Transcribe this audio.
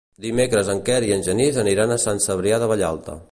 Dimecres en Quer i en Genís aniran a Sant Cebrià de Vallalta.